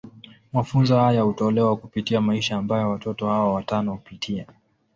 Mafunzo haya hutolewa kupitia maisha ambayo watoto hawa watano hupitia.